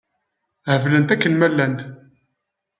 Heblent akken ma llant.